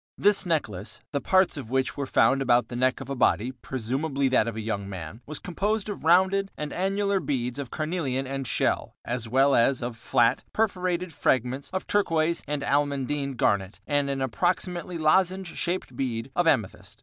This necklace, the parts of which were found about the neck of a body, presumably that of a young man, was composed of rounded and annular beads of carnelian and shell, as well as of flat, perforated fragments of turquoise and almandine garnet and an approximately lozenge shaped bead of amethyst 1.